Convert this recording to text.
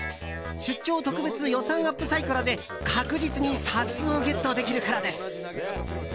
出張特別予算アップサイコロで確実に札をゲットできるからです。